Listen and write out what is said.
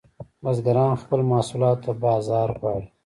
بزګران خپلو محصولاتو ته بازار غواړي